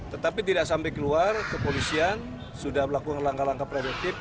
tetapi tidak sampai keluar ke polisian sudah melakukan langkah langkah protektif